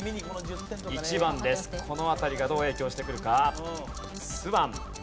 この辺りがどう影響してくるか。